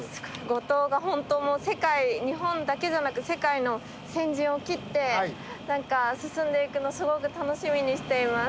五島が本当もう日本だけじゃなく世界の先陣を切って何か進んでいくのすごく楽しみにしています。